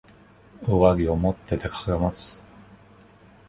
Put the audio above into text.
上着を持って出かけます。